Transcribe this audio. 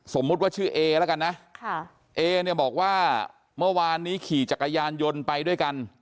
สมมุติว่าชื่อเอแล้วกันนะเอเนี่ยบอกว่าเมื่อวานนี้ขี่จักรยานยนต์ไปด้วยกัน